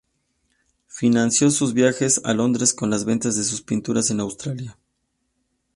Financió sus viajes a Londres con las ventas de sus pinturas en Australia.